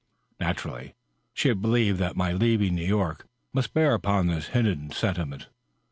Naturally, she believed that my leaving New York must bear upon this hidden sentiment.